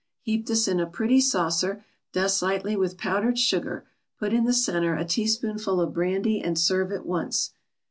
Heap this in a pretty saucer, dust lightly with powdered sugar, put in the center a teaspoonful of brandy, and serve at once.